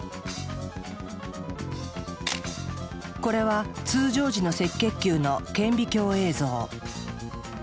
これは通常時の赤血球の顕微鏡映像。